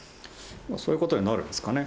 そういうことになるんですかね。